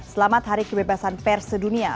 selamat hari kebebasan persedunia